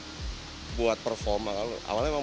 aku menggunakan apikmen itu kurang lebih sudah jalan setahun ini